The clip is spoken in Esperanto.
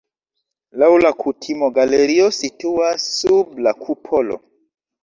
Laŭ la kutimo galerio situas sub la kupolo.